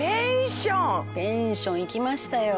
ペンション行きましたよ。